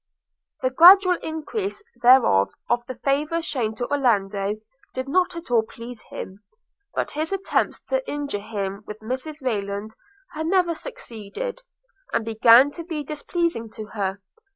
The gradual increase, therefore, of the favour shewn to Orlando did not at all please him; but his attempts to injure him with Mrs Rayland had never succeeded, and began to be displeasing to her.